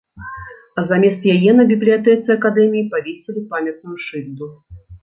А замест яе на бібліятэцы акадэміі павесілі памятную шыльду.